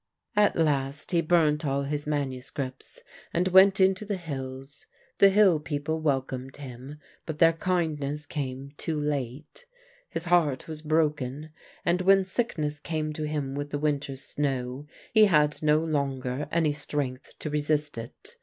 "At last he burnt all his manuscripts, and went into the hills; the hill people welcomed him, but their kindness came too late; his heart was broken, and when sickness came to him with the winter snow, he had no longer any strength to resist it.